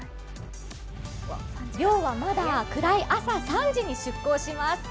漁はまだくらい朝３時に出航します